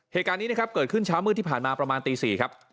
เหตุการณ์นี้นะครับเกิดขึ้นเช้ามืดที่ผ่านมาประมาณตี๔ครับ